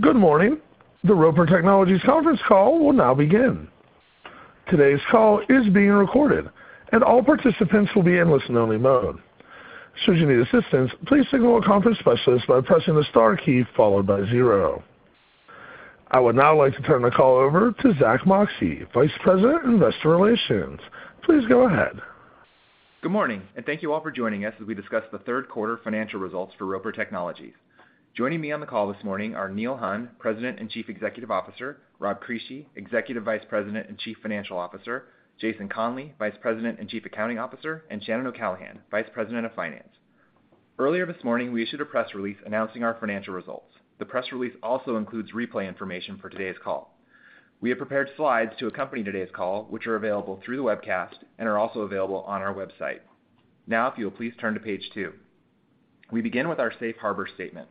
Good morning. The Roper Technologies conference call will now begin. Today's call is being recorded, and all participants will be in listen-only mode. Should you need assistance, please signal a conference specialist by pressing the star key followed by zero. I would now like to turn the call over to Zack Moxcey, Vice President, Investor Relations. Please go ahead. Good morning, and thank you all for joining us as we discuss the third quarter financial results for Roper Technologies. Joining me on the call this morning are Neil Hunn, President and Chief Executive Officer, Rob Crisci, Executive Vice President and Chief Financial Officer, Jason Conley, Vice President and Chief Accounting Officer, and Shannon O'Callaghan, Vice President of Finance. Earlier this morning, we issued a press release announcing our financial results. The press release also includes replay information for today's call. We have prepared slides to accompany today's call, which are available through the webcast and are also available on our website. Now, if you'll please turn to page two. We begin with our Safe Harbor statement.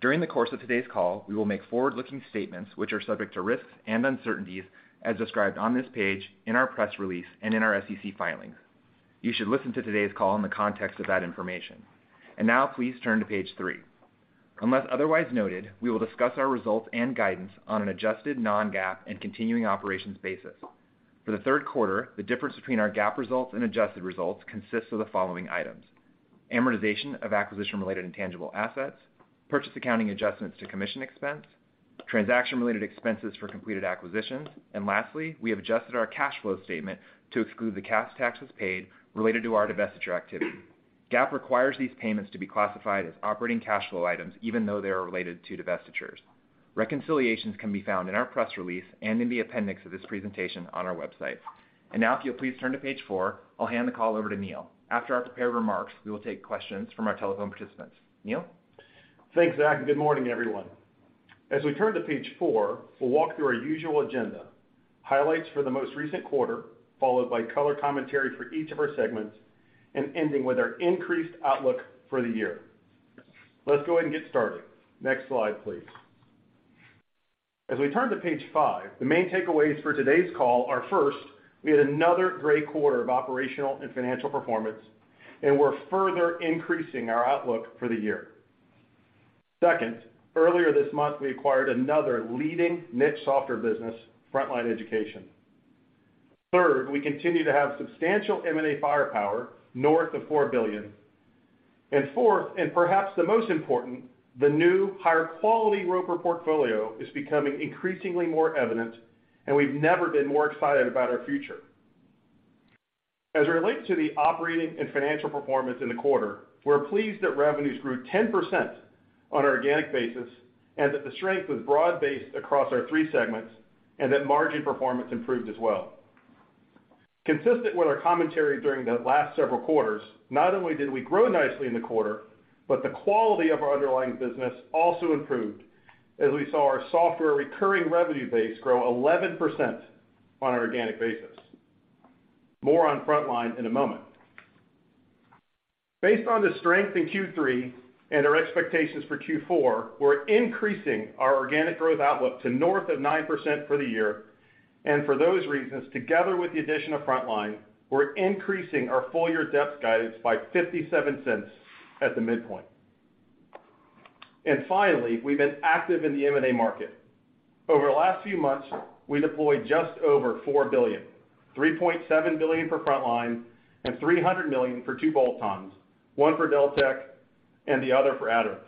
During the course of today's call, we will make forward-looking statements which are subject to risks and uncertainties as described on this page, in our press release, and in our SEC filings. You should listen to today's call in the context of that information. Now, please turn to page three. Unless otherwise noted, we will discuss our results and guidance on an adjusted non-GAAP and continuing operations basis. For the third quarter, the difference between our GAAP results and adjusted results consists of the following items. Amortization of acquisition-related intangible assets, purchase accounting adjustments to commission expense, transaction-related expenses for completed acquisitions, and lastly, we have adjusted our cash flow statement to exclude the cash taxes paid related to our divestiture activity. GAAP requires these payments to be classified as operating cash flow items, even though they are related to divestitures. Reconciliations can be found in our press release and in the appendix of this presentation on our website. Now, if you'll please turn to page four, I'll hand the call over to Neil Hunn. After our prepared remarks, we will take questions from our telephone participants. Neil? Thanks, Zack. Good morning, everyone. As we turn to page four, we'll walk through our usual agenda, highlights for the most recent quarter, followed by color commentary for each of our segments, and ending with our increased outlook for the year. Let's go ahead and get started. Next slide, please. As we turn to page five, the main takeaways for today's call are, first, we had another great quarter of operational and financial performance, and we're further increasing our outlook for the year. Second, earlier this month, we acquired another leading niche software business, Frontline Education. Third, we continue to have substantial M&A firepower north of $4 billion. Fourth, and perhaps the most important, the new higher quality Roper portfolio is becoming increasingly more evident, and we've never been more excited about our future. As it relates to the operating and financial performance in the quarter, we're pleased that revenues grew 10% on an organic basis and that the strength was broad-based across our three segments and that margin performance improved as well. Consistent with our commentary during the last several quarters, not only did we grow nicely in the quarter, but the quality of our underlying business also improved as we saw our software recurring revenue base grow 11% on an organic basis. More on Frontline in a moment. Based on the strength in Q3 and our expectations for Q4, we're increasing our organic growth outlook to north of 9% for the year. For those reasons, together with the addition of Frontline, we're increasing our full year DEPS guidance by $0.57 at the midpoint. Finally, we've been active in the M&A market. Over the last few months, we deployed just over $4 billion, $3.7 billion for Frontline and $300 million for two bolt-ons, one for Deltek and the other for Aderant.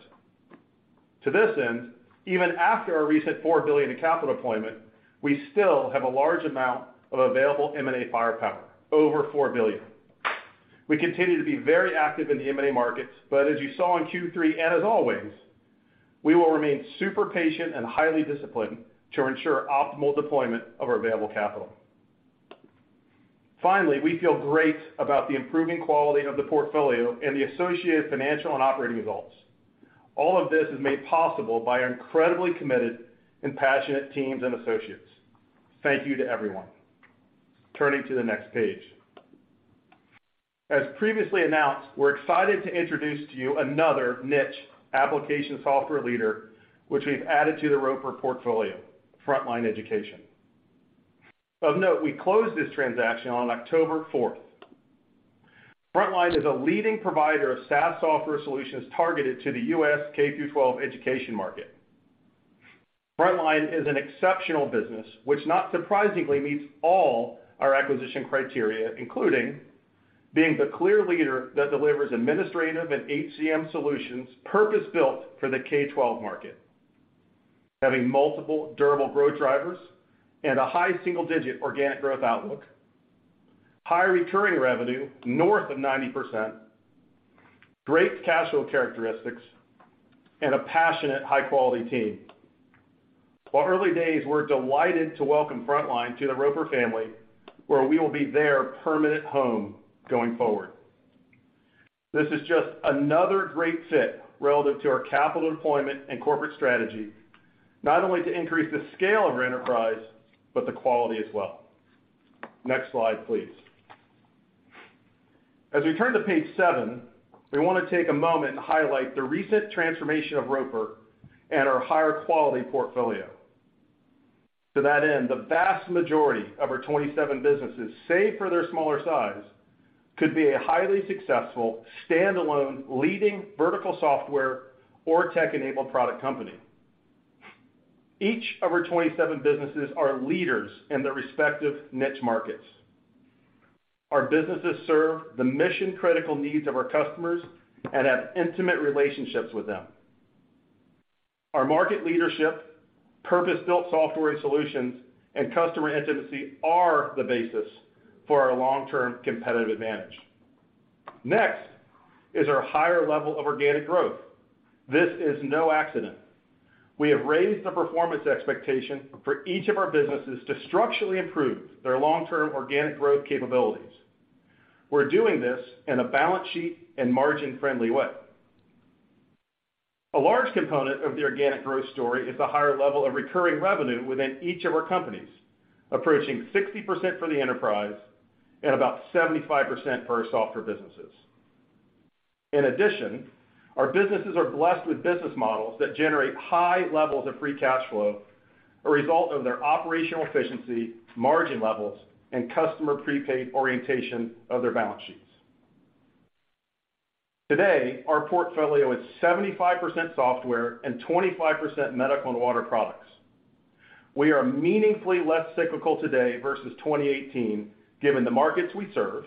To this end, even after our recent $4 billion in capital deployment, we still have a large amount of available M&A firepower, over $4 billion. We continue to be very active in the M&A markets, but as you saw in Q3 and as always, we will remain super patient and highly disciplined to ensure optimal deployment of our available capital. Finally, we feel great about the improving quality of the portfolio and the associated financial and operating results. All of this is made possible by our incredibly committed and passionate teams and associates. Thank you to everyone. Turning to the next page. As previously announced, we're excited to introduce to you another niche application software leader, which we've added to the Roper portfolio, Frontline Education. Of note, we closed this transaction on October 4th. Frontline is a leading provider of SaaS software solutions targeted to the U.S. K-12 education market. Frontline is an exceptional business which not surprisingly meets all our acquisition criteria, including being the clear leader that delivers administrative and HCM solutions purpose-built for the K-12 market, having multiple durable growth drivers and a high single-digit organic growth outlook, high recurring revenue north of 90%, great cash flow characteristics, and a passionate, high-quality team. While early days, we're delighted to welcome Frontline to the Roper family, where we will be their permanent home going forward. This is just another great fit relative to our capital deployment and corporate strategy, not only to increase the scale of our enterprise, but the quality as well. Next slide, please. As we to page seven, we wanna take a moment to highlight the recent transformation of Roper and our higher quality portfolio. To that end, the vast majority of our 27 businesses, save for their smaller size, could be a highly successful standalone leading vertical software or tech-enabled product company. Each of our 27 businesses are leaders in their respective niche markets. Our businesses serve the mission-critical needs of our customers and have intimate relationships with them. Our market leadership, purpose-built software solutions, and customer intimacy are the basis for our long-term competitive advantage. Next is our higher level of organic growth. This is no accident. We have raised the performance expectation for each of our businesses to structurally improve their long-term organic growth capabilities. We're doing this in a balance sheet and margin-friendly way. A large component of the organic growth story is the higher level of recurring revenue within each of our companies, approaching 60% for the enterprise and about 75% for our software businesses. In addition, our businesses are blessed with business models that generate high levels of free cash flow, a result of their operational efficiency, margin levels, and customer prepaid orientation of their balance sheets. Today, our portfolio is 75% software and 25% medical and water products. We are meaningfully less cyclical today versus 2018, given the markets we serve,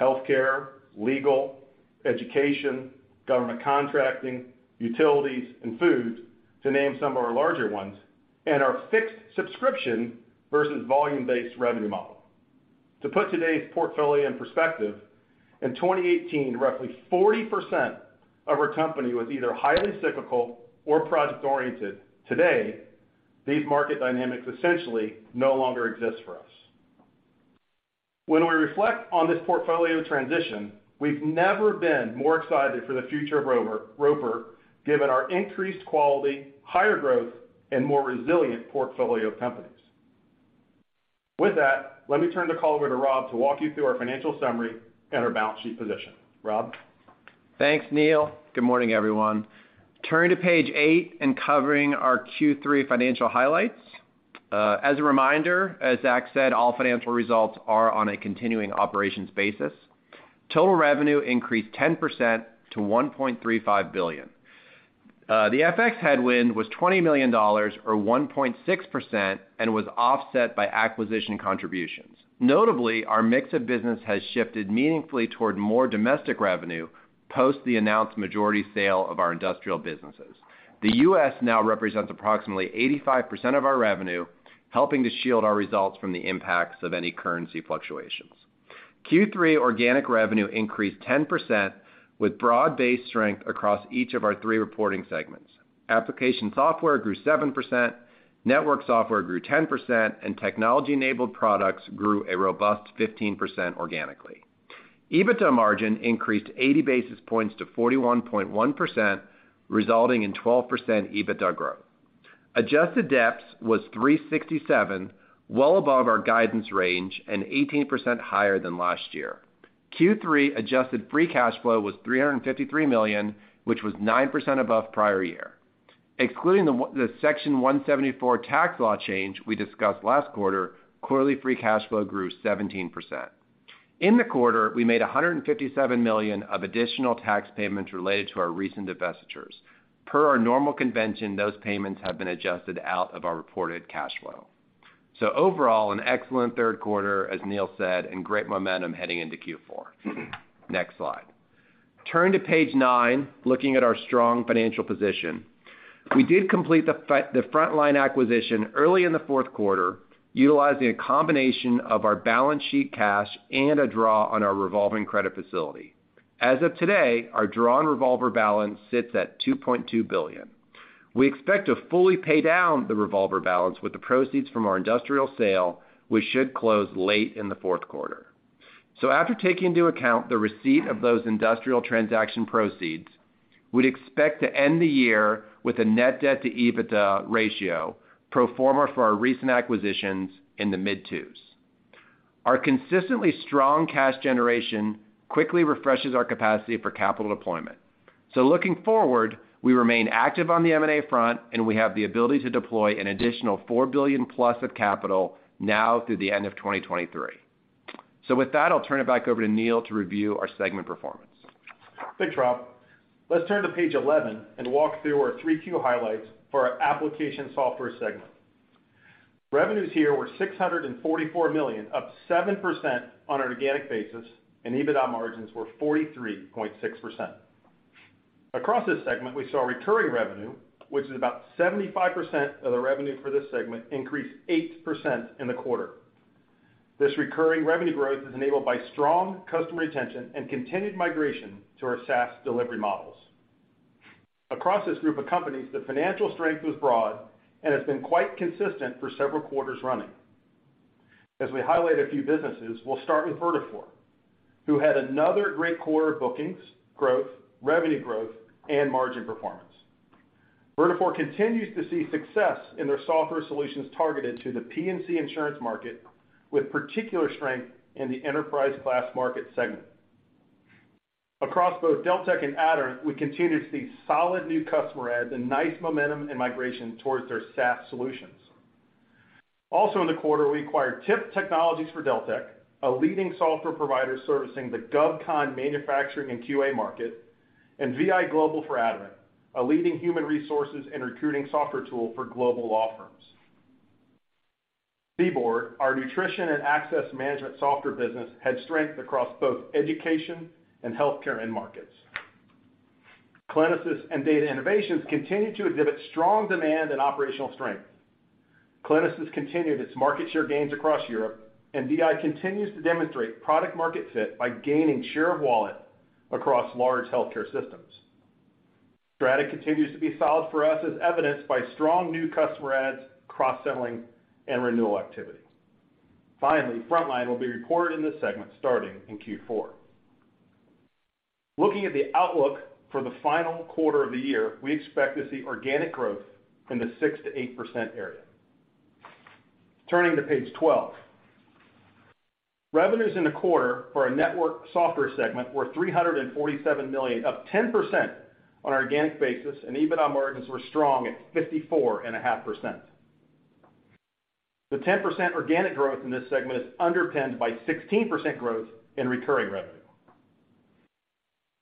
healthcare, legal, education, government contracting, utilities, and food, to name some of our larger ones, and our fixed subscription versus volume-based revenue model. To put today's portfolio in perspective, in 2018, roughly 40% of our company was either highly cyclical or project-oriented. Today, these market dynamics essentially no longer exist for us. When we reflect on this portfolio transition, we've never been more excited for the future of Roper, given our increased quality, higher growth, and more resilient portfolio of companies. With that, let me turn the call over to Rob to walk you through our financial summary and our balance sheet position. Rob? Thanks, Neil. Good morning, everyone. Turning to page eight and covering our Q3 financial highlights. As a reminder, as Zack said, all financial results are on a continuing operations basis. Total revenue increased 10% to $1.35 billion. The FX headwind was $20 million or 1.6% and was offset by acquisition contributions. Notably, our mix of business has shifted meaningfully toward more domestic revenue post the announced majority sale of our industrial businesses. The U.S. now represents approximately 85% of our revenue, helping to shield our results from the impacts of any currency fluctuations. Q3 organic revenue increased 10% with broad-based strength across each of our three reporting segments. Application software grew 7%, network software grew 10%, and technology-enabled products grew a robust 15% organically. EBITDA margin increased 80 basis points to 41.1%, resulting in 12% EBITDA growth. Adjusted DEPS was $3.67, well above our guidance range and 18% higher than last year. Q3 adjusted free cash flow was $353 million, which was 9% above prior year. Excluding the Section 174 tax law change we discussed last quarter, quarterly free cash flow grew 17%. In the quarter, we made $157 million of additional tax payments related to our recent divestitures. Per our normal convention, those payments have been adjusted out of our reported cash flow. Overall, an excellent third quarter, as Neil said, and great momentum heading into Q4. Next slide. Turning to page nine, looking at our strong financial position. We did complete the Frontline acquisition early in the fourth quarter, utilizing a combination of our balance sheet cash and a draw on our revolving credit facility. As of today, our drawn revolver balance sits at $2.2 billion. We expect to fully pay down the revolver balance with the proceeds from our industrial sale, which should close late in the fourth quarter. After taking into account the receipt of those industrial transaction proceeds, we'd expect to end the year with a net debt to EBITDA ratio pro forma for our recent acquisitions in the mid-twos. Our consistently strong cash generation quickly refreshes our capacity for capital deployment. Looking forward, we remain active on the M&A front, and we have the ability to deploy an additional $4 billion+ of capital now through the end of 2023. With that, I'll turn it back over to Neil to review our segment performance. Thanks, Rob. Let's turn to page 11 and walk through our 3Q highlights for our application software segment. Revenues here were $644 million, up 7% on an organic basis, and EBITDA margins were 43.6%. Across this segment, we saw recurring revenue, which is about 75% of the revenue for this segment, increase 8% in the quarter. This recurring revenue growth is enabled by strong customer retention and continued migration to our SaaS delivery models. Across this group of companies, the financial strength was broad and has been quite consistent for several quarters running. As we highlight a few businesses, we'll start with Vertafore, who had another great quarter of bookings, growth, revenue growth, and margin performance. Vertafore continues to see success in their software solutions targeted to the P&C insurance market with particular strength in the enterprise class market segment. Across both Deltek and Aderant, we continue to see solid new customer adds and nice momentum and migration towards their SaaS solutions. Also in the quarter, we acquired TIP Technologies for Deltek, a leading software provider servicing the GovCon manufacturing and QA market, and viGlobal for Aderant, a leading human resources and recruiting software tool for global law firms. CBORD, our nutrition and access management software business, had strength across both education and healthcare end markets. Clinisys and Data Innovations continue to exhibit strong demand and operational strength. Clinisys continued its market share gains across Europe, and DI continues to demonstrate product market fit by gaining share of wallet across large healthcare systems. Strata continues to be solid for us as evidenced by strong new customer adds, cross-selling, and renewal activity. Frontline will be reported in this segment starting in Q4. Looking at the outlook for the final quarter of the year, we expect to see organic growth in the 6%-8% area. Turning to page 12. Revenues in the quarter for our network software segment were $347 million, up 10% on an organic basis, and EBITDA margins were strong at 54.5%. The 10% organic growth in this segment is underpinned by 16% growth in recurring revenue.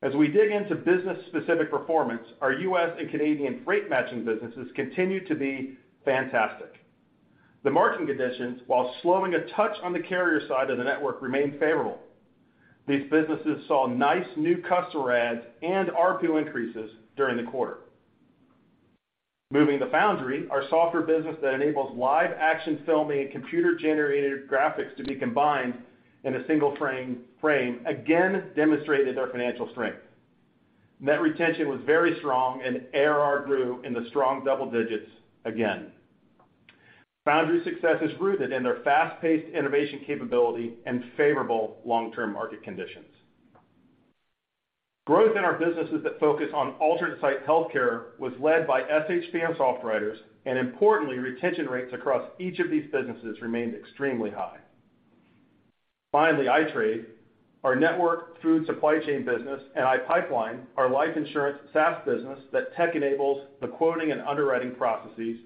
As we dig into business-specific performance, our U.S. and Canadian freight matching businesses continue to be fantastic. The margin conditions, while slowing a touch on the carrier side of the network, remain favorable. These businesses saw nice new customer adds and RPU increases during the quarter. Moving to Foundry, our software business that enables live-action filming and computer-generated graphics to be combined in a single frame again demonstrated their financial strength. Net retention was very strong and ARR grew in the strong double digits again. Foundry's success is rooted in their fast-paced innovation capability and favorable long-term market conditions. Growth in our businesses that focus on alternative site healthcare was led by SHP's operators, and importantly, retention rates across each of these businesses remained extremely high. Finally, iTradeNetwork, our network food supply chain business, and iPipeline, our life insurance SaaS business that tech-enables the quoting and underwriting processes,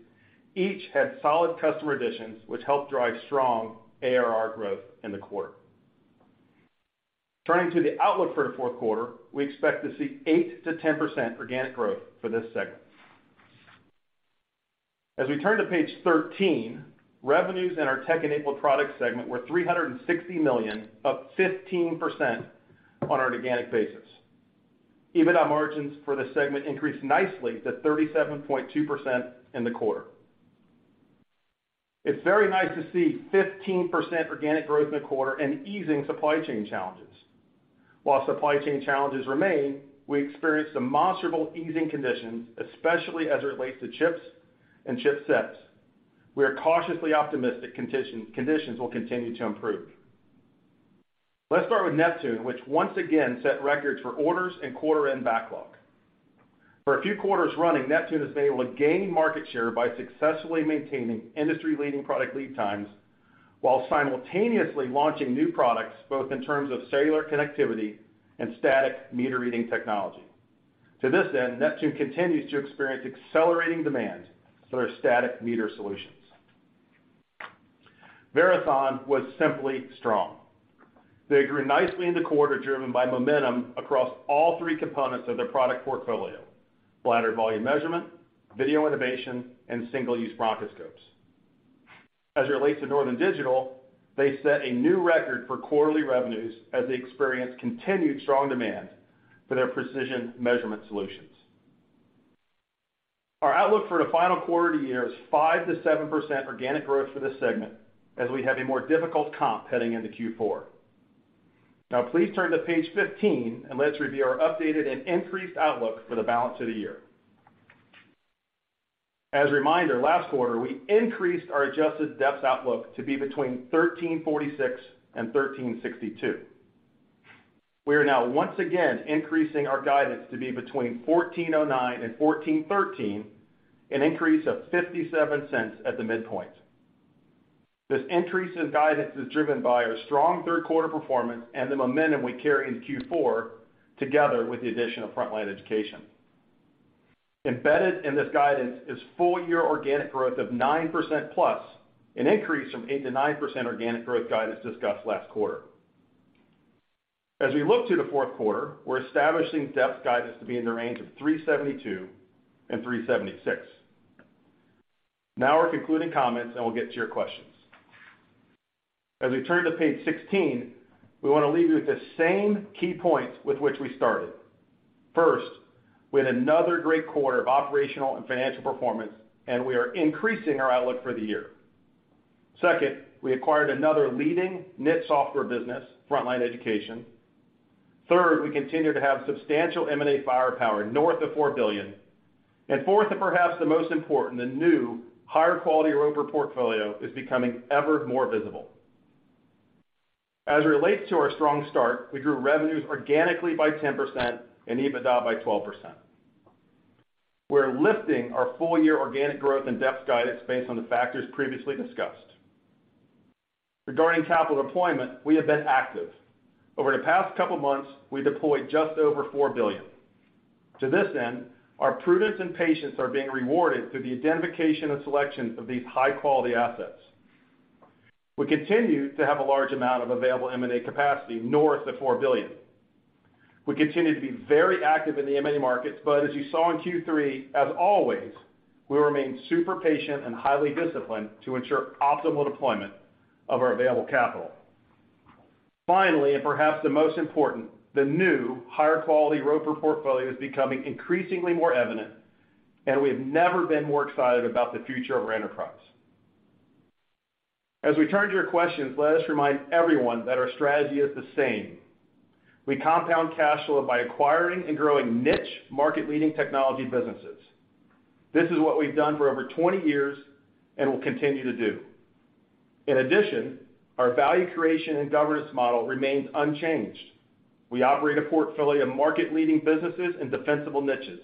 each had solid customer additions, which helped drive strong ARR growth in the quarter. Turning to the outlook for the fourth quarter, we expect to see 8%-10% organic growth for this segment. As we turn to page 13, revenues in our tech-enabled products segment were $360 million, up 15% on an organic basis. EBITDA margins for this segment increased nicely to 37.2% in the quarter. It's very nice to see 15% organic growth in the quarter and easing supply chain challenges. While supply chain challenges remain, we experienced demonstrable easing conditions, especially as it relates to chips and chipsets. We are cautiously optimistic conditions will continue to improve. Let's start with Neptune, which once again set records for orders and quarter-end backlog. For a few quarters running, Neptune has been able to gain market share by successfully maintaining industry-leading product lead times while simultaneously launching new products, both in terms of cellular connectivity and static meter reading technology. To this end, Neptune continues to experience accelerating demand for their static meter solutions. Verathon was simply strong. They grew nicely in the quarter, driven by momentum across all three components of their product portfolio, bladder volume measurement, video intubation, and single-use bronchoscopes. As it relates to Northern Digital, they set a new record for quarterly revenues as they experienced continued strong demand for their precision measurement solutions. Our outlook for the final quarter of the year is 5%-7% organic growth for this segment as we have a more difficult comp heading into Q4. Now, please turn to page 15, and let's review our updated and increased outlook for the balance of the year. As a reminder, last quarter, we increased our Adjusted DEPS outlook to be between $13.46 and $13.62. We are now once again increasing our guidance to be between $14.09 and $14.13, an increase of $0.57 at the midpoint. This increase in guidance is driven by our strong third quarter performance and the momentum we carry into Q4, together with the addition of Frontline Education. Embedded in this guidance is full year organic growth of 9%+, an increase from 8% to 9% organic growth guidance discussed last quarter. As we look to the fourth quarter, we're establishing DEPS guidance to be in the range of $3.72 and $3.76. Now our concluding comments, and we'll get to your questions. As we turn to page 16, we want to leave you with the same key points with which we started. First, we had another great quarter of operational and financial performance, and we are increasing our outlook for the year. Second, we acquired another leading niche software business, Frontline Education. Third, we continue to have substantial M&A firepower north of $4 billion. Fourth, and perhaps the most important, the new, higher-quality Roper portfolio is becoming ever more visible. As it relates to our strong start, we grew revenues organically by 10% and EBITDA by 12%. We're lifting our full year organic growth and EBITDA guidance based on the factors previously discussed. Regarding capital deployment, we have been active. Over the past couple of months, we deployed just over $4 billion. To this end, our prudence and patience are being rewarded through the identification and selection of these high-quality assets. We continue to have a large amount of available M&A capacity north of $4 billion. We continue to be very active in the M&A markets, but as you saw in Q3, as always, we remain super patient and highly disciplined to ensure optimal deployment of our available capital. Finally, and perhaps the most important, the new higher quality Roper portfolio is becoming increasingly more evident, and we've never been more excited about the future of our enterprise. As we turn to your questions, let us remind everyone that our strategy is the same. We compound cash flow by acquiring and growing niche market-leading technology businesses. This is what we've done for over 20 years and will continue to do. In addition, our value creation and governance model remains unchanged. We operate a portfolio of market-leading businesses and defensible niches.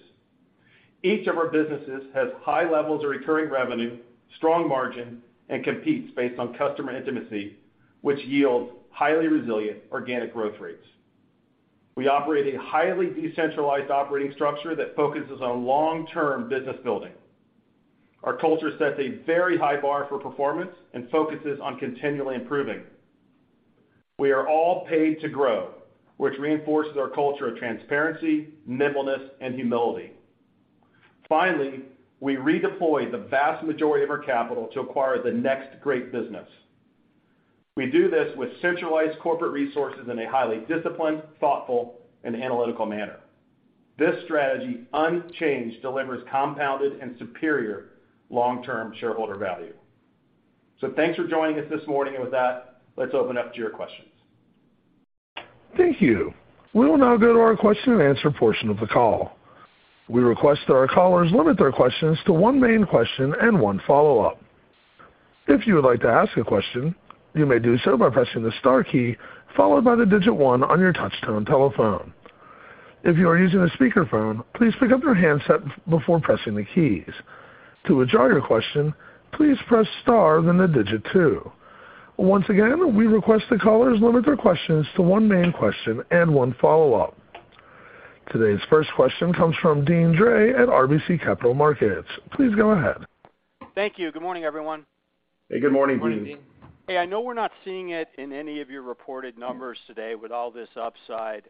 Each of our businesses has high levels of recurring revenue, strong margin, and competes based on customer intimacy, which yields highly resilient organic growth rates. We operate a highly decentralized operating structure that focuses on long-term business building. Our culture sets a very high bar for performance and focuses on continually improving. We are all paid to grow, which reinforces our culture of transparency, nimbleness, and humility. Finally, we redeploy the vast majority of our capital to acquire the next great business. We do this with centralized corporate resources in a highly disciplined, thoughtful, and analytical manner. This strategy unchanged, delivers compounded and superior long-term shareholder value. Thanks for joining us this morning, and with that, let's open up to your questions. Thank you. We'll now go to our question-and-answer portion of the call. We request that our callers limit their questions to one main question and one follow-up. If you would like to ask a question, you may do so by pressing the star key followed by the digit one on your touchtone telephone. If you are using a speakerphone, please pick up your handset before pressing the keys. To withdraw your question, please press star, then the digit two. Once again, we request that callers limit their questions to one main question and one follow-up. Today's first question comes from Deane Dray at RBC Capital Markets. Please go ahead. Thank you. Good morning, everyone. Hey, good morning, Deane. Good morning, Deane. Hey, I know we're not seeing it in any of your reported numbers today with all this upside,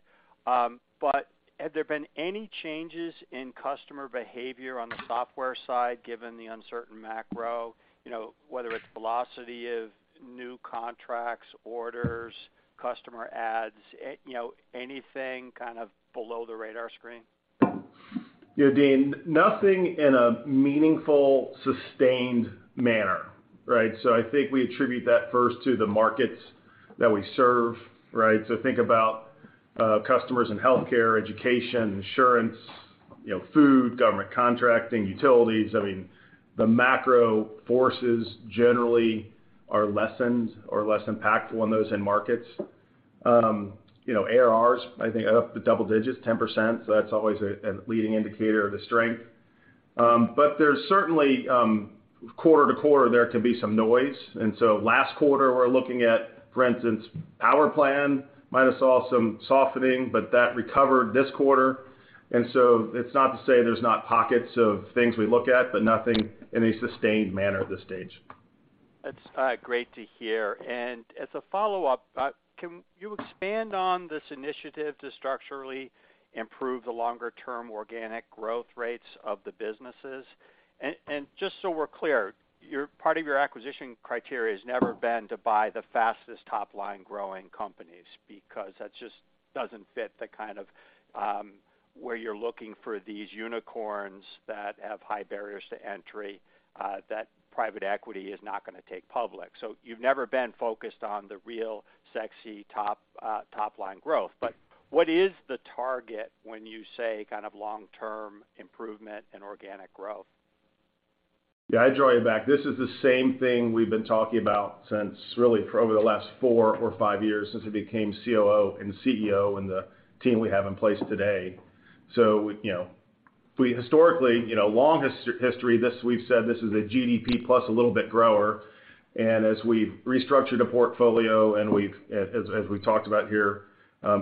but have there been any changes in customer behavior on the software side, given the uncertain macro? You know, whether it's velocity of new contracts, orders, customer adds, you know, anything kind of below the radar screen? Yeah, Dean, nothing in a meaningful, sustained manner, right? I think we attribute that first to the markets that we serve, right? Think about customers in healthcare, education, insurance, you know, food, government contracting, utilities. I mean, the macro forces generally are lessened or less impactful on those end markets. You know, ARRs, I think, are up to double digits, 10%. That's always a leading indicator of the strength. But there's certainly quarter to quarter, there can be some noise. Last quarter, we're looking at, for instance, our plan might have saw some softening, but that recovered this quarter. It's not to say there's not pockets of things we look at, but nothing in a sustained manner at this stage. That's great to hear. As a follow-up, can you expand on this initiative to structurally improve the longer-term organic growth rates of the businesses? Just so we're clear, part of your acquisition criteria has never been to buy the fastest top line growing companies because that just doesn't fit the kind of where you're looking for these unicorns that have high barriers to entry that private equity is not gonna take public. You've never been focused on the real sexy top-line growth. What is the target when you say kind of long-term improvement and organic growth? Yeah, I'll draw you back. This is the same thing we've been talking about since really for over the last four or five years since I became COO and CEO and the team we have in place today. You know, we historically, you know, long history, this we've said this is a GDP plus a little bit grower. As we've restructured a portfolio and we've, as we talked about here,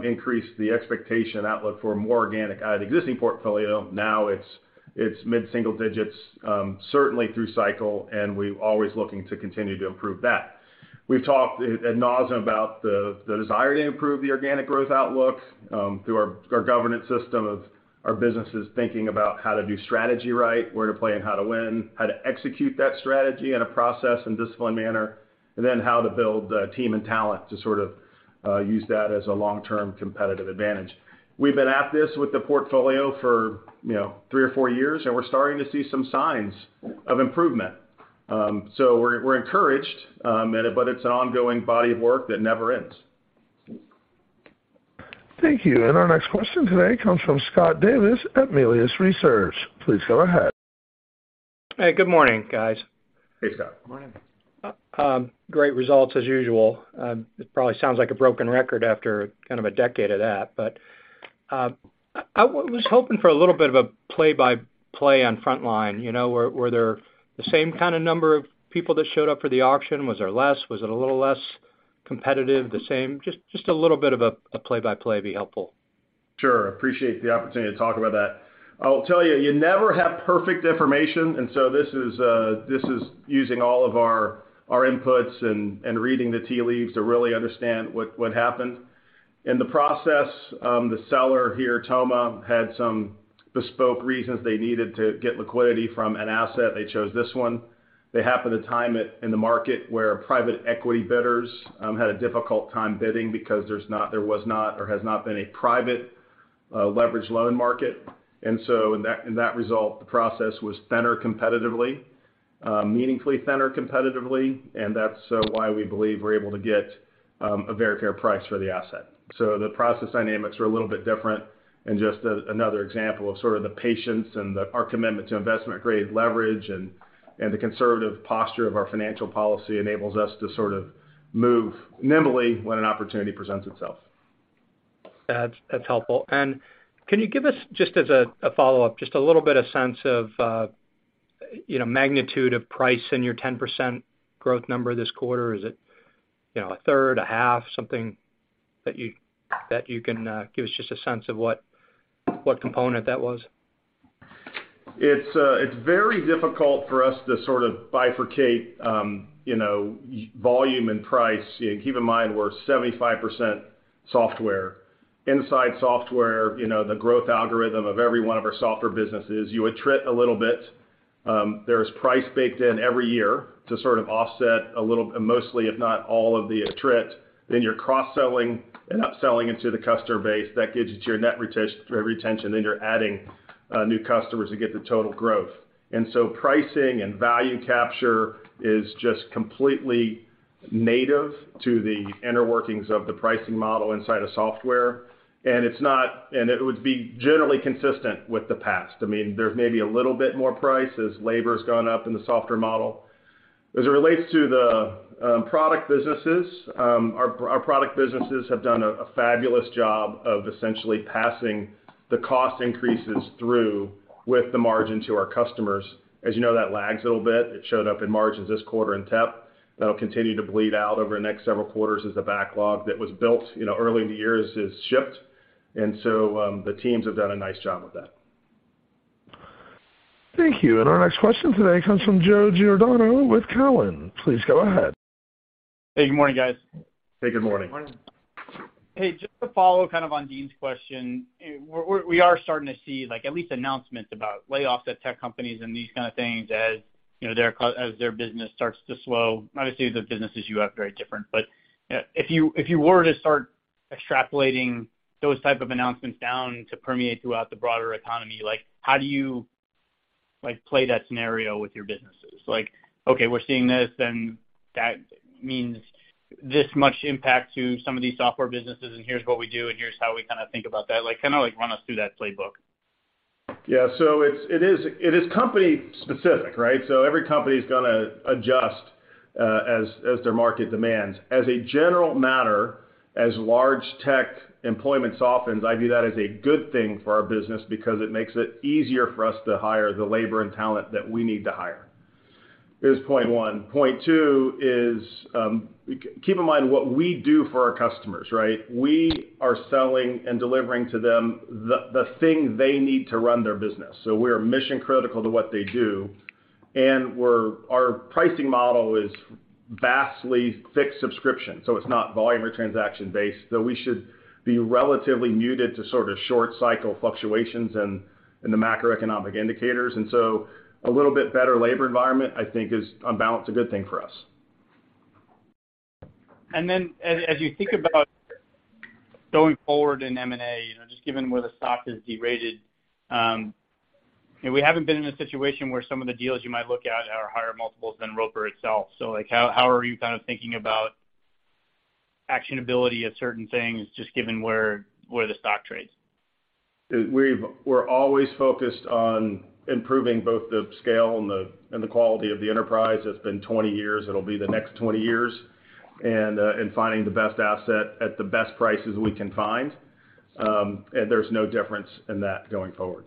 increased the expectation outlook for more organic out of the existing portfolio, now it's mid-single digits, certainly through cycle, and we're always looking to continue to improve that. We've talked ad nauseam about the desire to improve the organic growth outlook, through our governance system of our businesses, thinking about how to do strategy right, where to play and how to win, how to execute that strategy in a process and disciplined manner, and then how to build team and talent to sort of use that as a long-term competitive advantage. We've been at this with the portfolio for, you know, three or four years, and we're starting to see some signs of improvement. We're encouraged, but it's an ongoing body of work that never ends. Thank you. Our next question today comes from Scott Davis at Melius Research. Please go ahead. Hey, good morning, guys. Hey, Scott. Good morning. Great results as usual. It probably sounds like a broken record after kind of a decade of that, but I was hoping for a little bit of a play-by-play on Frontline, you know, were there the same kind of number of people that showed up for the auction? Was there less? Was it a little less competitive, the same? Just a little bit of a play-by-play would be helpful. Sure. Appreciate the opportunity to talk about that. I'll tell you never have perfect information, and so this is using all of our inputs and reading the tea leaves to really understand what happened. In the process, the seller here, Thoma Bravo, had some bespoke reasons they needed to get liquidity from an asset. They chose this one. They happened to time it in the market where private equity bidders had a difficult time bidding because there was not or has not been a private leverage loan market. In that result, the process was thinner competitively, meaningfully thinner competitively, and that's why we believe we're able to get a very fair price for the asset. The process dynamics were a little bit different, and just another example of sort of the patience and our commitment to investment-grade leverage and the conservative posture of our financial policy enables us to sort of move nimbly when an opportunity presents itself. That's helpful. Can you give us, just as a follow-up, just a little bit of sense of, you know, magnitude of price in your 10% growth number this quarter? Is it, you know, a third, a half, something that you can give us just a sense of what component that was? It's very difficult for us to sort of bifurcate, you know, volume and price. Keep in mind, we're 75% software. Inside software, you know, the growth algorithm of every one of our software businesses, you attrit a little bit. There's price baked in every year to sort of offset a little, mostly if not all of the attrit. Then you're cross-selling and upselling into the customer base. That gets you to your net retention, then you're adding new customers to get the total growth. Pricing and value capture is just completely native to the inner workings of the pricing model inside of software. It's not, and it would be generally consistent with the past. I mean, there's maybe a little bit more price as labor's gone up in the software model. As it relates to the product businesses, our product businesses have done a fabulous job of essentially passing the cost increases through with the margin to our customers. As you know, that lags a little bit. It showed up in margins this quarter in TEP. That'll continue to bleed out over the next several quarters as the backlog that was built, you know, early in the years is shipped. The teams have done a nice job with that. Thank you. Our next question today comes from Joe Giordano with TD Cowen. Please go ahead. Hey, good morning, guys. Hey, good morning. Good morning. Hey, just to follow kind of on Deane's question. We are starting to see like at least announcements about layoffs at tech companies and these kind of things as, you know, as their business starts to slow. Obviously, the businesses you have are very different. If you were to start extrapolating those type of announcements down to permeate throughout the broader economy, like how do you, like, play that scenario with your businesses? Like, okay, we're seeing this, and that means this much impact to some of these software businesses, and here's what we do, and here's how we kinda think about that? Like, kinda like run us through that playbook. Yeah. It is company specific, right? Every company's gonna adjust as their market demands. As a general matter, as large tech employment softens, I view that as a good thing for our business because it makes it easier for us to hire the labor and talent that we need to hire, is point one. Point two is, keep in mind what we do for our customers, right? We are selling and delivering to them the thing they need to run their business. We're mission-critical to what they do, and our pricing model is vastly fixed subscription, so it's not volume or transaction-based. We should be relatively muted to sort of short cycle fluctuations in the macroeconomic indicators. A little bit better labor environment, I think is, on balance, a good thing for us. As you think about going forward in M&A, you know, just given where the stock is derated, you know, we haven't been in a situation where some of the deals you might look at are higher multiples than Roper itself. So, like, how are you kind of thinking about actionability of certain things, just given where the stock trades? We're always focused on improving both the scale and the quality of the enterprise. It's been 20 years, it'll be the next 20 years, and finding the best asset at the best prices we can find. There's no difference in that going forward.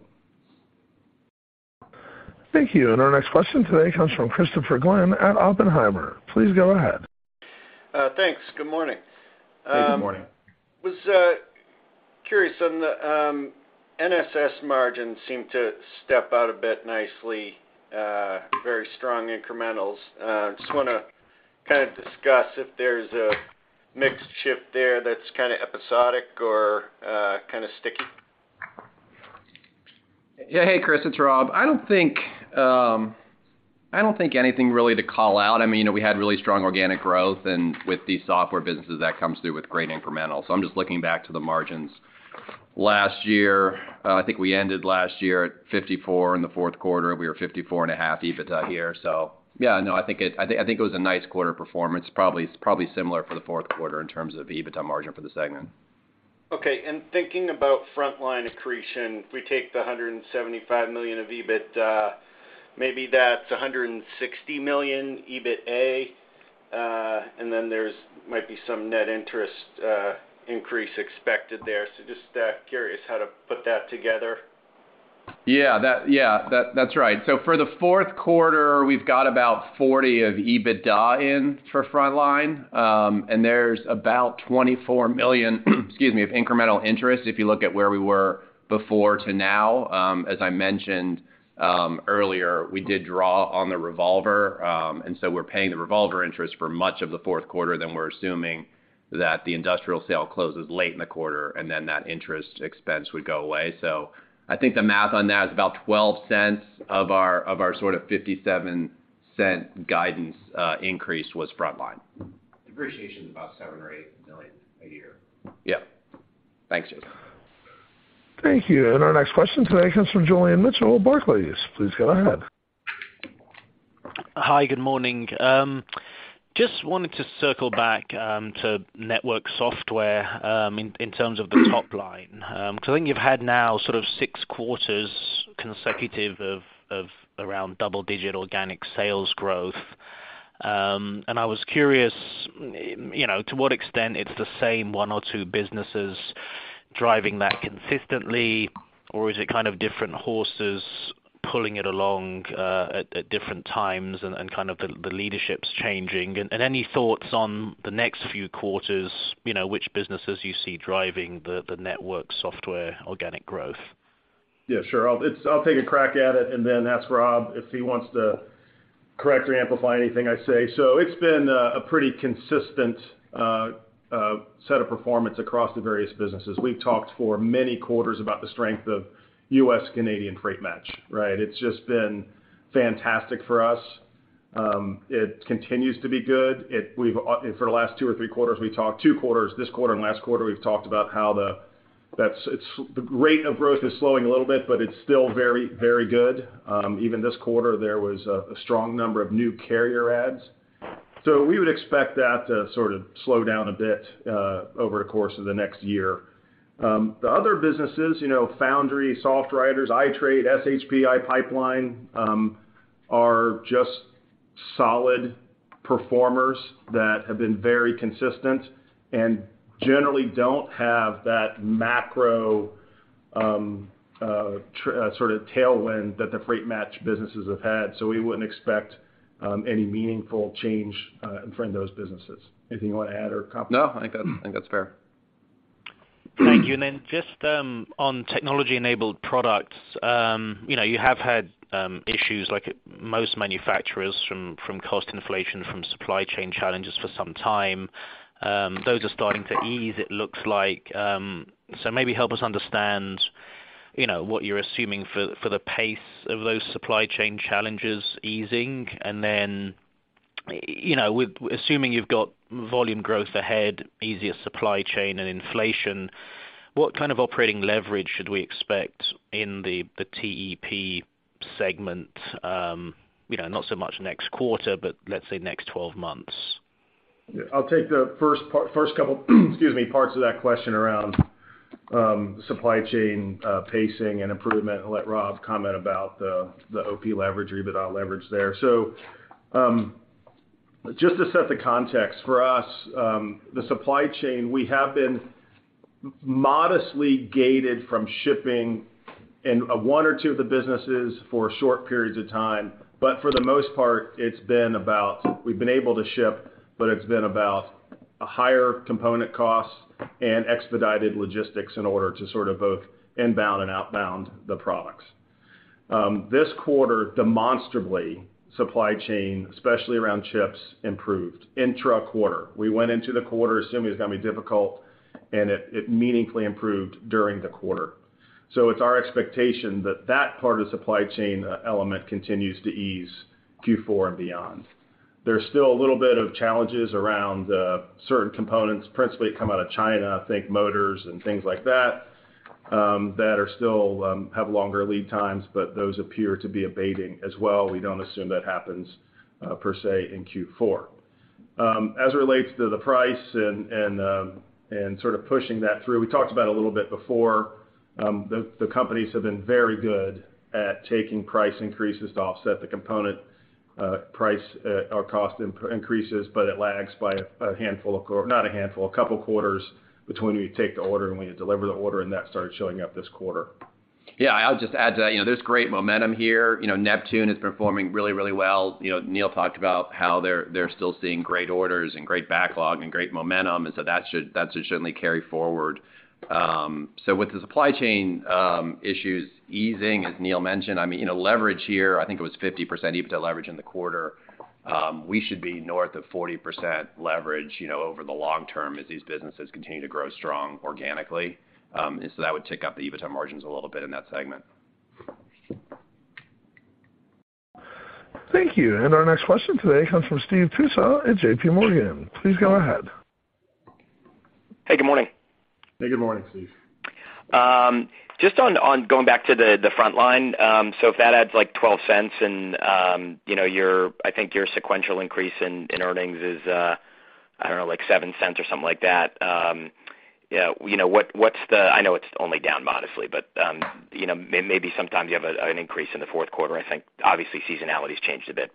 Thank you. Our next question today comes from Christopher Glynn at Oppenheimer. Please go ahead. Thanks. Good morning. Hey, good morning. Was curious on the NSS margins seem to step out a bit nicely, very strong incrementals. Just wanna kinda discuss if there's a mix shift there that's kinda episodic or kinda sticky? Hey, Chris, it's Rob. I don't think anything really to call out. I mean, you know, we had really strong organic growth and with the software businesses that comes through with great incremental. I'm just looking back to the margins. Last year, I think we ended last year at 54% in the fourth quarter. We were 54.5% EBITDA here. Yeah, no, I think it was a nice quarter performance, probably similar for the fourth quarter in terms of EBITDA margin for the segment. Okay. Thinking about Frontline accretion, if we take the $175 million of EBITDA, maybe that's $160 million EBITDA, and then there might be some net interest increase expected there. Just curious how to put that together. Yeah. That's right. For the fourth quarter, we've got about $40 million of EBITDA in for Frontline. There's about $24 million, excuse me, of incremental interest if you look at where we were before to now. As I mentioned earlier, we did draw on the revolver. We're paying the revolver interest for much of the fourth quarter, then we're assuming that the industrial sale closes late in the quarter, and then that interest expense would go away. I think the math on that is about $0.12 of our sort of $0.57 guidance increase was Frontline. Depreciation is about $7 million-$8 million a year. Yeah. Thanks. Thank you. Our next question today comes from Julian Mitchell, Barclays. Please go ahead. Hi, good morning. Just wanted to circle back to network software in terms of the top line. 'Cause I think you've had now sort of six quarters consecutive of around double-digit organic sales growth. I was curious, you know, to what extent it's the same one or two businesses driving that consistently, or is it kind of different horses pulling it along at different times and kind of the leadership's changing? Any thoughts on the next few quarters, you know, which businesses you see driving the network software organic growth? Yeah, sure. I'll take a crack at it and then ask Rob if he wants to correct or amplify anything I say. It's been a pretty consistent set of performance across the various businesses. We've talked for many quarters about the strength of U.S.-Canadian freight matching, right? It's just been fantastic for us. It continues to be good. For the last two or three quarters, we talked two quarters. This quarter and last quarter, we've talked about how the rate of growth is slowing a little bit, but it's still very, very good. Even this quarter, there was a strong number of new carrier adds. We would expect that to sort of slow down a bit over the course of the next year. The other businesses, you know, Foundry, SoftWriters, iTradeNetwork, SHP, iPipeline, are just solid performers that have been very consistent and generally don't have that macro, sort of tailwind that the freight-matching businesses have had. We wouldn't expect any meaningful change from those businesses. Anything you wanna add or comment? No, I think that's fair. Thank you. Just on technology-enabled products, you know, you have had issues like most manufacturers from cost inflation, from supply chain challenges for some time. Those are starting to ease, it looks like. Maybe help us understand, you know, what you're assuming for the pace of those supply chain challenges easing. You know, with assuming you've got volume growth ahead, easier supply chain and inflation, what kind of operating leverage should we expect in the TEP segment, you know, not so much next quarter, but let's say next 12 months? I'll take the first couple, excuse me, parts of that question around supply chain pacing and improvement, and let Rob comment about the OP leverage or EBITDA leverage there. Just to set the context for us, the supply chain, we have been modestly gated from shipping in one or two of the businesses for short periods of time. But for the most part, it's been about we've been able to ship, but it's been about a higher component cost and expedited logistics in order to sort of both inbound and outbound the products. This quarter, demonstrably, supply chain, especially around chips, improved intra-quarter. We went into the quarter assuming it's gonna be difficult, and it meaningfully improved during the quarter. It's our expectation that that part of the supply chain element continues to ease Q4 and beyond. There's still a little bit of challenges around certain components, principally come out of China, think motors and things like that still have longer lead times, but those appear to be abating as well. We don't assume that happens per se in Q4. As it relates to the price and sort of pushing that through, we talked about a little bit before, the companies have been very good at taking price increases to offset the component price or cost increases, but it lags by a couple quarters between when you take the order and when you deliver the order, and that started showing up this quarter. Yeah, I'll just add to that. You know, there's great momentum here. You know, Neptune is performing really, really well. You know, Neil talked about how they're still seeing great orders and great backlog and great momentum, and so that should certainly carry forward. With the supply chain issues easing, as Neil mentioned, I mean, you know, leverage here, I think it was 50% EBITDA leverage in the quarter. We should be north of 40% leverage, you know, over the long term as these businesses continue to grow strong organically. That would tick up the EBITDA margins a little bit in that segment. Thank you. Our next question today comes from Steve Tusa at JP Morgan. Please go ahead. Hey, good morning. Hey, good morning, Steve. Just on going back to the Frontline. If that adds like $0.12 and, you know, your, I think your sequential increase in earnings is I don't know, like $0.07 or something like that. Yeah, you know, I know it's only down modestly, but you know, maybe sometimes you have an increase in the fourth quarter. I think obviously seasonality has changed a bit.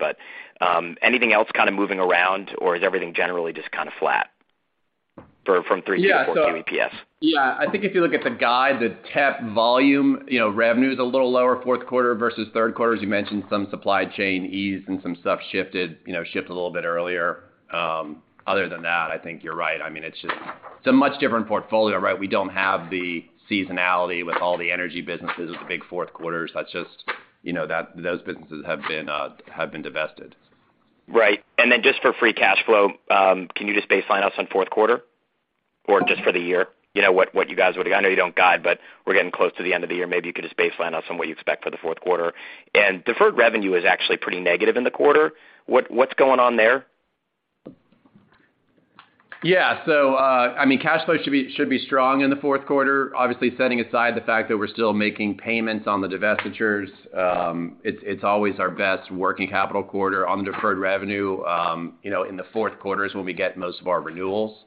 Anything else kinda moving around, or is everything generally just kinda flat from Q3 to Q4 EPS? Yeah. Yeah, I think if you look at the guide, the TEP volume, you know, revenue is a little lower, fourth quarter versus third quarter. As you mentioned, some supply chain ease and some stuff shifted, you know, shipped a little bit earlier. Other than that, I think you're right. I mean, it's just, it's a much different portfolio, right? We don't have the seasonality with all the energy businesses, the big fourth quarters. That's just, you know, those businesses have been divested. Right. Then just for free cash flow, can you just baseline us on fourth quarter or just for the year? You know, I know you don't guide, but we're getting close to the end of the year. Maybe you could just baseline us on what you expect for the fourth quarter. Deferred revenue is actually pretty negative in the quarter. What's going on there? Yeah. I mean, cash flow should be strong in the fourth quarter. Obviously, setting aside the fact that we're still making payments on the divestitures, it's always our best working capital quarter. On the deferred revenue, you know, in the fourth quarter is when we get most of our renewals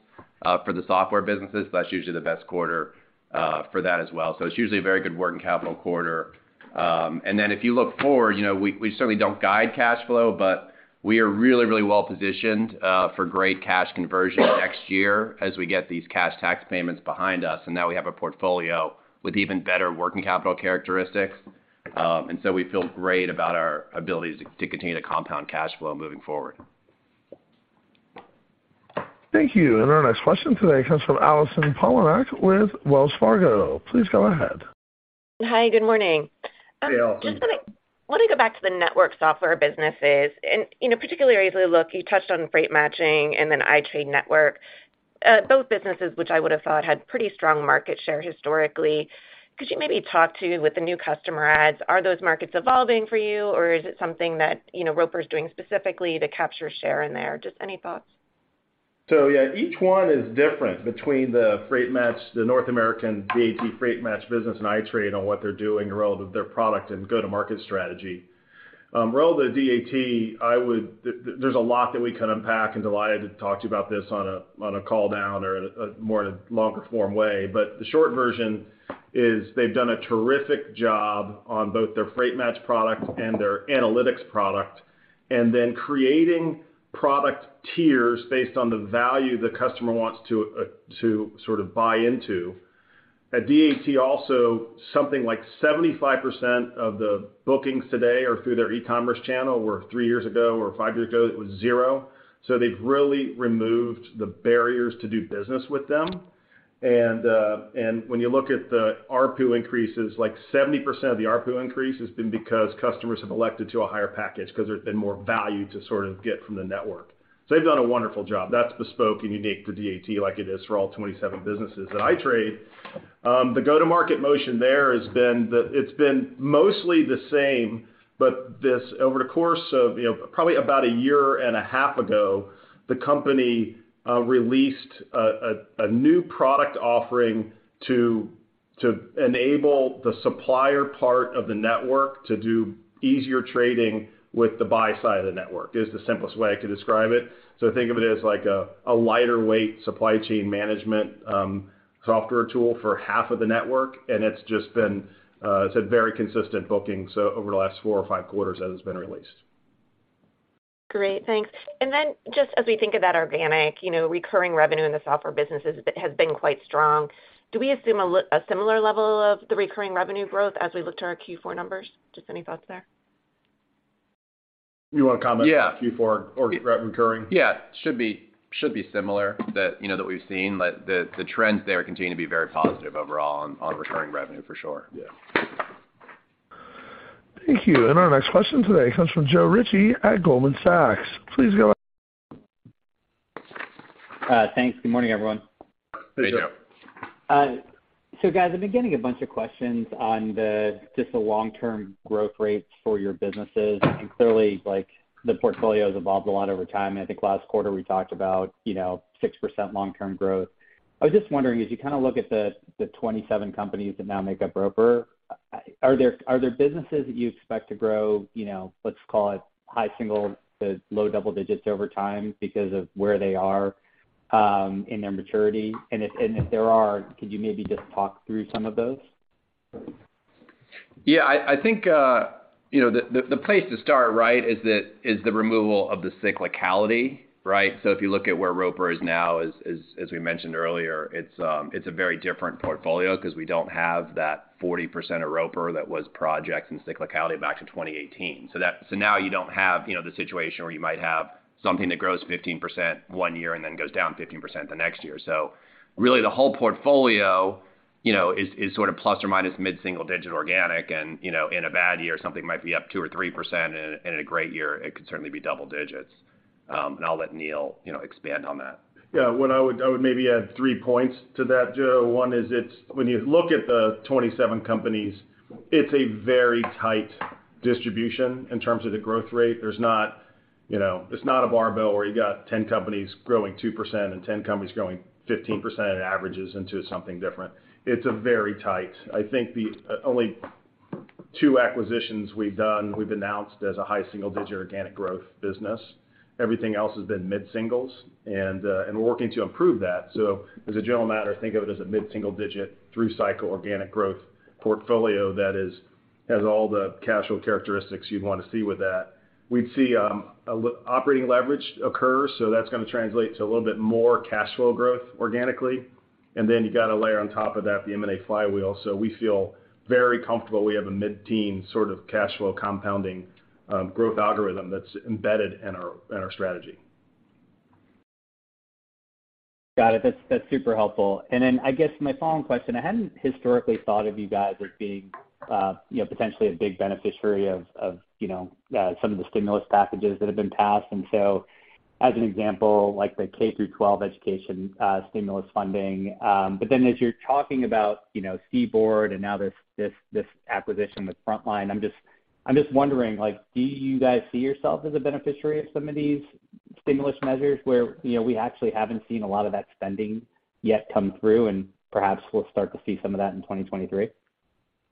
for the software businesses. That's usually the best quarter for that as well. It's usually a very good working capital quarter. If you look forward, you know, we certainly don't guide cash flow, but we are really well positioned for great cash conversion next year as we get these cash tax payments behind us, and now we have a portfolio with even better working capital characteristics. We feel great about our ability to continue to compound cash flow moving forward. Thank you. Our next question today comes from Allison Poliniak with Wells Fargo. Please go ahead. Hi, good morning. Hey, Allison. Just wanna go back to the network software businesses and, you know, particularly as we look, you touched on freight matching and then iTradeNetwork, both businesses which I would have thought had pretty strong market share historically. Could you maybe talk to, with the new customer adds, are those markets evolving for you, or is it something that, you know, Roper's doing specifically to capture share in there? Just any thoughts? Yeah, each one is different between the freight match, the North American DAT freight match business and iTrade on what they're doing relevant with their product and go-to-market strategy. Relevant to DAT, there's a lot that we could unpack, and Neil could talk to you about this on a call down or a more longer form way. The short version is they've done a terrific job on both their freight match product and their analytics product, and then creating product tiers based on the value the customer wants to sort of buy into. At DAT also, something like 75% of the bookings today are through their e-commerce channel. Three years ago or fiveyears ago, it was zero. They've really removed the barriers to do business with them. When you look at the ARPU increases, like 70% of the ARPU increase has been because customers have elected to a higher package 'cause there's been more value to sort of get from the network. They've done a wonderful job. That's bespoke and unique for DAT like it is for all 27 businesses. At iTrade, the go-to-market motion there has been the, it's been mostly the same, but over the course of, you know, probably about a year and a half ago, the company released a new product offering to enable the supplier part of the network to do easier trading with the buy side of the network, is the simplest way I can describe it. Think of it as like a lighter weight supply chain management software tool for half of the network, and it's just been very consistent bookings over the last four or five quarters as it's been released. Great. Thanks. Just as we think of that organic, you know, recurring revenue in the software businesses has been quite strong. Do we assume a similar level of the recurring revenue growth as we look to our Q4 numbers? Just any thoughts there? You wanna comment? Yeah. Q4 or recurring? Yeah. Should be similar, that you know, that we've seen. The trends there continue to be very positive overall on recurring revenue for sure. Yeah. Thank you. Our next question today comes from Joe Ritchie at Goldman Sachs. Please go ahead. Thanks. Good morning, everyone. Hey, Joe. Hey, Joe. Guys, I've been getting a bunch of questions on just the long-term growth rates for your businesses. Clearly, like, the portfolio's evolved a lot over time. I think last quarter, we talked about 6% long-term growth. I was just wondering, as you kinda look at the 27 companies that now make up Roper, are there businesses that you expect to grow, you know, let's call it high single- to low double-digits over time because of where they are in their maturity? If there are, could you maybe just talk through some of those? Yeah. I think, you know, the place to start, right, is the removal of the cyclicality, right? If you look at where Roper is now, as we mentioned earlier, it's a very different portfolio 'cause we don't have that 40% of Roper that was projects and cyclicality back to 2018. Now you don't have, you know, the situation where you might have something that grows 15% one year and then goes down 15% the next year. Really the whole portfolio, you know, is sort of plus or minus mid-single digit organic and, you know, in a bad year, something might be up 2% or 3%, and in a great year, it could certainly be double digits. I'll let Neil, you know, expand on that. Yeah. I would maybe add three points to that, Joe. One is when you look at the 27 companies, it's a very tight distribution in terms of the growth rate. There's not, you know, it's not a barbell where you got 10 companies growing 2% and 10 companies growing 15%, it averages into something different. It's a very tight. I think the only two acquisitions we've done, we've announced as a high single-digit organic growth business. Everything else has been mid single digits, and we're working to improve that. As a general matter, think of it as a mid single digit through cycle organic growth portfolio that has all the classic characteristics you'd wanna see with that. We'd see operating leverage occur, so that's gonna translate to a little bit more cash flow growth organically. You gotta layer on top of that the M&A flywheel. We feel very comfortable we have a mid-teen sort of cash flow compounding growth algorithm that's embedded in our strategy. Got it. That's super helpful. I guess my following question, I hadn't historically thought of you guys as being potentially a big beneficiary of some of the stimulus packages that have been passed. As an example, the K-12 education stimulus funding. As you're talking about CBORD and now this acquisition with Frontline Education, I'm just wondering, do you guys see yourself as a beneficiary of some of these stimulus measures where we actually haven't seen a lot of that spending yet come through, and perhaps we'll start to see some of that in 2023?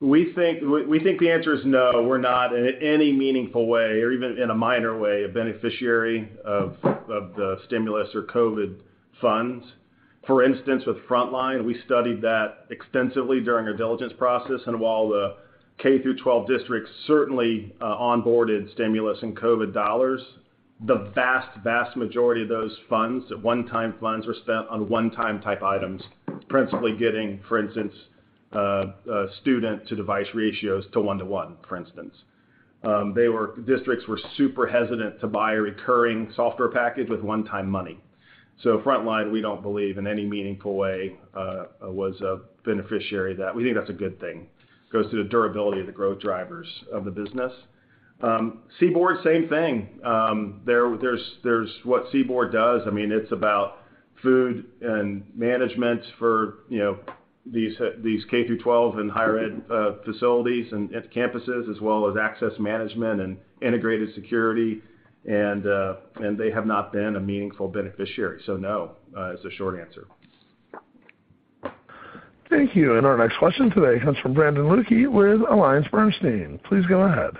We think the answer is no, we're not in any meaningful way or even in a minor way a beneficiary of the stimulus or COVID funds. For instance, with Frontline, we studied that extensively during our diligence process. While the K-12 districts certainly onboarded stimulus and COVID dollars, the vast majority of those funds, one-time funds, were spent on one-time type items, principally getting, for instance, a student-to-device ratio to one-to-one, for instance. Districts were super hesitant to buy a recurring software package with one-time money. Frontline, we don't believe in any meaningful way was a beneficiary of that. We think that's a good thing. Goes to the durability of the growth drivers of the business. CBORD, same thing. There's what CBORD does. I mean, it's about food and management for, you know, these K-12 and higher ed facilities and campuses as well as access management and integrated security. They have not been a meaningful beneficiary. No, is the short answer. Thank you. Our next question today comes from Brendan Luke with AllianceBernstein. Please go ahead.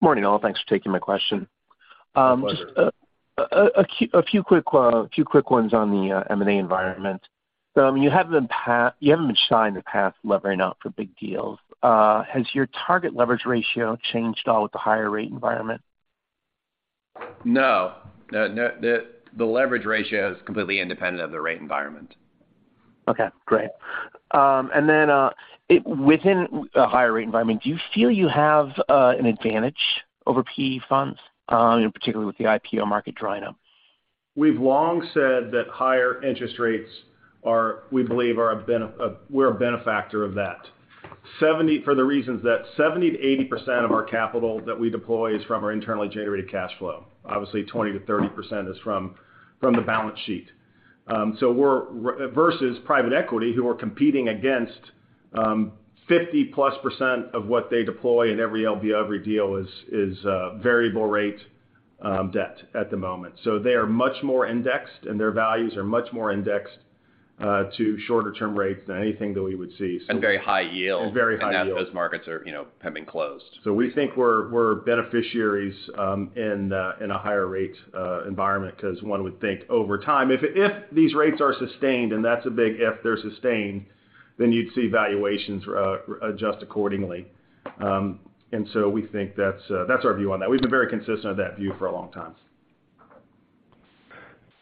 Morning, all. Thanks for taking my question. My pleasure. Just a few quick ones on the M&A environment. You haven't been shy in the past levering up for big deals. Has your target leverage ratio changed at all with the higher rate environment? No. No, no. The leverage ratio is completely independent of the rate environment. Okay, great. Within a higher rate environment, do you feel you have an advantage over PE funds, particularly with the IPO market drying up? We've long said that higher interest rates, we believe, we're a benefactor of that. For the reasons that 70%-80% of our capital that we deploy is from our internally generated cash flow. Obviously, 20%-30% is from the balance sheet. We're versus private equity, who are competing against 50%+ of what they deploy in every LBO, every deal is variable rate debt at the moment. They are much more indexed, and their values are much more indexed to shorter term rates than anything that we would see. Very high yield. Very high yield. Those markets are, you know, have been closed. We think we're beneficiaries in a higher rate environment 'cause one would think over time. If these rates are sustained, and that's a big if, then you'd see valuations adjust accordingly. We think that's our view on that. We've been very consistent of that view for a long time.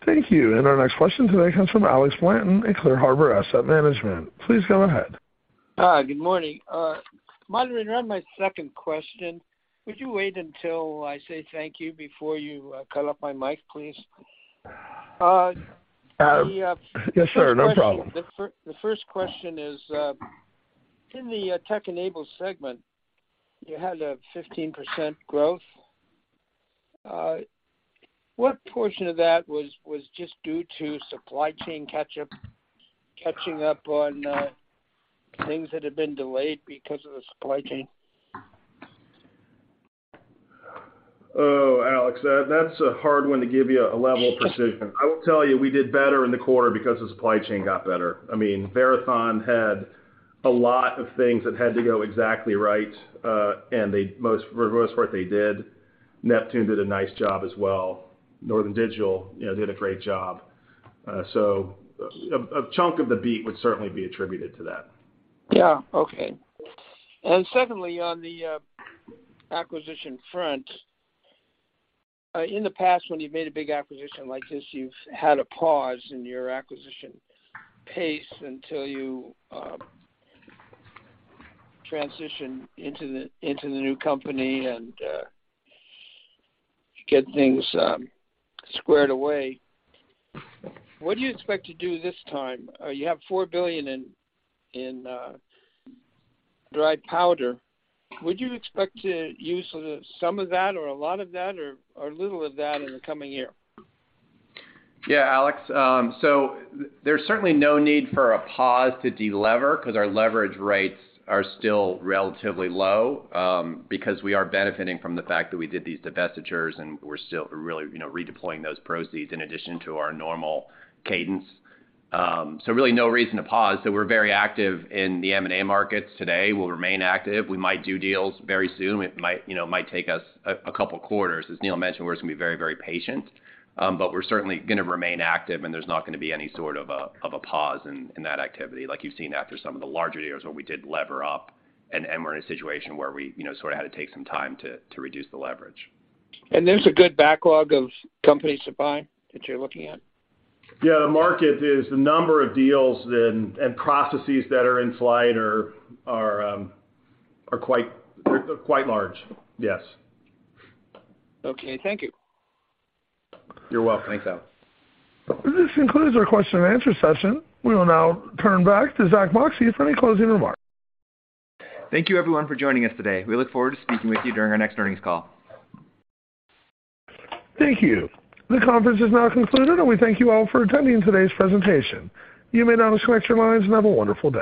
Thank you. Our next question today comes from Alexander Blanton at ClearHarbor Asset Management. Please go ahead. Hi, good morning. Moderator, on my second question, would you wait until I say thank you before you cut off my mic, please? Yes, sir. No problem. The first question is, in the tech-enabled segment, you had a 15% growth. What portion of that was just due to supply chain catching up on things that have been delayed because of the supply chain? Oh, Alex, that's a hard one to give you a level of precision. I will tell you we did better in the quarter because the supply chain got better. I mean, Verathon had a lot of things that had to go exactly right, and for the most part, they did. Neptune did a nice job as well. Northern Digital, you know, did a great job. So a chunk of the beat would certainly be attributed to that. Yeah. Okay. Secondly, on the acquisition front, in the past, when you made a big acquisition like this, you've had a pause in your acquisition pace until you transition into the new company and get things squared away. What do you expect to do this time? You have $4 billion in dry powder. Would you expect to use some of that or a lot of that or little of that in the coming year? Yeah, Alex. There's certainly no need for a pause to delever 'cause our leverage rates are still relatively low, because we are benefiting from the fact that we did these divestitures, and we're still really, you know, redeploying those proceeds in addition to our normal cadence. Really no reason to pause. We're very active in the M&A markets today. We'll remain active. We might do deals very soon. It might, you know, take us a couple quarters. As Neil mentioned, we're just gonna be very, very patient. We're certainly gonna remain active, and there's not gonna be any sort of a pause in that activity like you've seen after some of the larger deals where we did lever up and we're in a situation where we, you know, sort of had to take some time to reduce the leverage. There's a good backlog of companies to buy that you're looking at? Yeah, the market is the number of deals and processes that are in flight are quite large, yes. Okay, thank you. You're welcome. Thanks, Alex. This concludes our question and answer session. We will now turn back to Zack Moxcey for any closing remarks. Thank you everyone for joining us today. We look forward to speaking with you during our next earnings call. Thank you. The conference is now concluded, and we thank you all for attending today's presentation. You may now disconnect your lines and have a wonderful day.